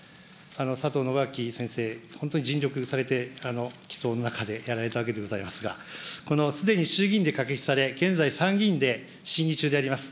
佐藤信秋先生、本当に尽力されて、の中でやられておりますが、このすでに衆議院で可決され、現在、参議院で審議中であります。